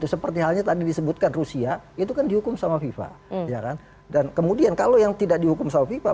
seperti halnya tadi disebutkan rusia itu kan dihukum sama fifa dan kemudian kalau yang tidak dihukum sama fifa